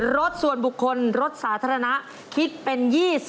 รถส่วนบุคคลรถสาธารณะคิดเป็น๒๐